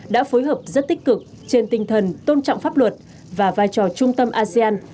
đã phối hợp rất tích cực trên tinh thần tôn trọng pháp luật và vai trò trung tâm asean